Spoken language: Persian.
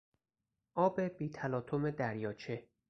آب بی تلاطم دریاچه